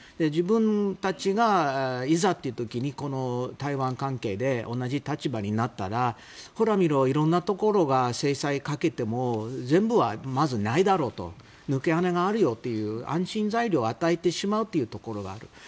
自分たちが、いざという時に台湾関係で同じ立場になったらほら見ろ、いろんなところが制裁かけても全部はまずないだろうと抜け穴があるという安心材料を与えてしまうというところがある。